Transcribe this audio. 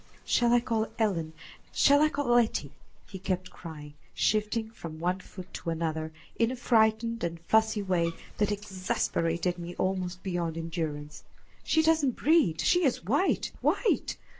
"Shall I call Ellen? Shall I call Letty?" he kept crying, shifting from one foot to another in a frightened and fussy way that exasperated me almost beyond endurance. "She doesn't breathe; she is white, white!